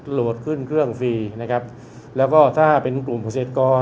โหลดขึ้นเครื่องฟรีนะครับแล้วก็ถ้าเป็นกลุ่มเกษตรกร